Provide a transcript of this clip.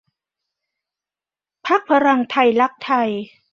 ด้วยการส่งเสริมการเชื่อมโยงภาคเศรษฐกิจหลัก